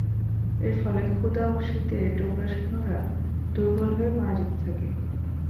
এর ফলে ক্ষুধা ও শীতে ডোগরা সৈন্যরা দুর্বল হয়ে মারা যেতে থাকে।